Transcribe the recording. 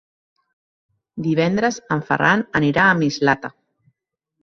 Divendres en Ferran anirà a Mislata.